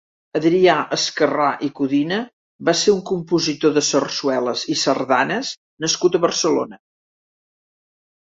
Adrià Esquerrà i Codina va ser un compositor de sarsueles i sardanes nascut a Barcelona.